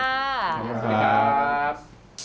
สวัสดีครับ